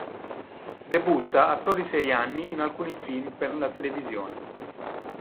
Debutta a soli sei anni in alcuni film per la televisione.